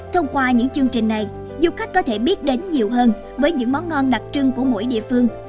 thông qua những chương trình này du khách có thể biết đến nhiều hơn với những món ngon đặc trưng của mỗi địa phương